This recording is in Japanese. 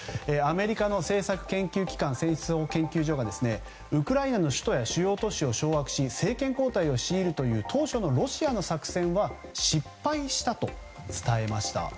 アメリカの政策研究機関戦争研究所がウクライナの首都や主要都市を掌握し、政権交代を強いるという当初のロシアの作戦は失敗したと伝えました。